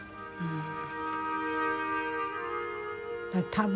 多分